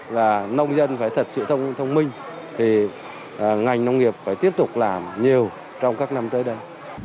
là nông dân phải thật sự thông minh thì ngành nông nghiệp phải tiếp tục làm nhiều trong các năm tới đây